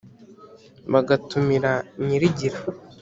Bagatumira nyirigira,